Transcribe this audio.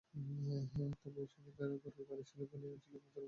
তবে ঐ সময়ে গরুর গাড়ি ছিল এ অঞ্চলের একমাত্র যোগাযোগ স্থাপনকারী বাহন।